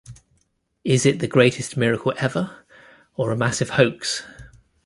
Is it the greatest miracle ever or a massive hoax?